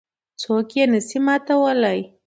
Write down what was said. څوک یې نه شي ماتولای.